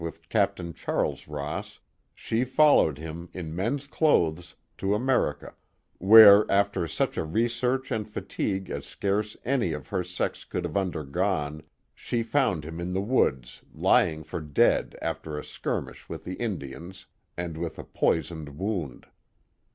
with Captain Charles Ross, she followed him, in men's clothes, to America, where, after such a research and fatigue as scarce any of her sex could have undergone, she found him in the woods, lying for dead after a skiruiiHh with the Indians, and wiih a poisoned wound.